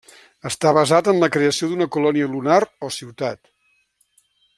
Està basat en la creació d'una colònia lunar o ciutat.